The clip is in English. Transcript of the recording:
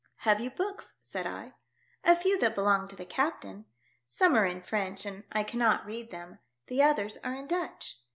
" Have you books ?" said I. *' A few that belong to the captain. Some are in French and I cannot read them. The others are in Dutch.